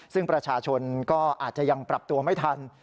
ซึ่งประชาชนก็อาจจะยังปรับตัวไม่ทัน